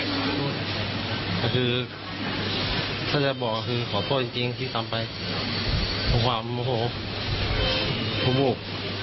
ก็คือถ้าจะบอกก็คือขอโทษจริงที่ทำไปเพราะความโมโหวูบ